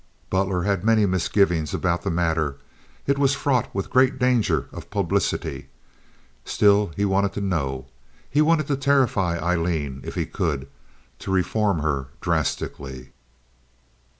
Butler had many misgivings about the matter. It was fraught with great danger of publicity. Still he wanted to know. He wanted to terrify Aileen if he could—to reform her drastically.